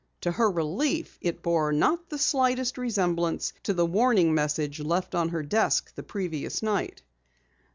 To her relief it bore not the slightest resemblance to the warning message left on her desk the previous night.